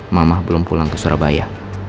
mamah belum pulang ke surabaya